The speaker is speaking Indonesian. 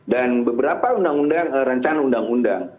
dan beberapa undang undang rancangan undang undang